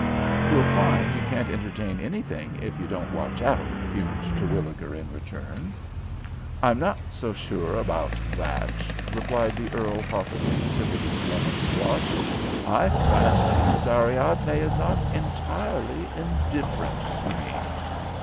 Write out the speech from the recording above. "You'll find you can't entertain anything if you don't watch out," fumed Terwilliger, in return. "I'm not so sure about that," replied the earl, haughtily, sipping his lemon squash. "I fancy Miss Ariadne is not entirely indifferent to me."